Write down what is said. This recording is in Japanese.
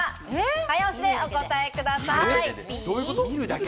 早押しでお答えください。